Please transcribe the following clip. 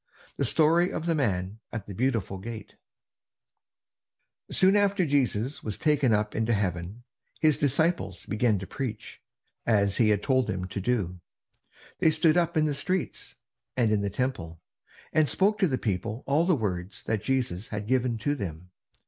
THE STORY OF THE MAN AT THE BEAUTIFUL GATE Soon after Jesus was taken up into heaven, his disciples began to preach, as he had told them to do. They stood up in the streets, and in the Temple, and spoke to the people all the words that Jesus had given to them.